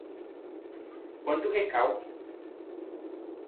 Quanto recalque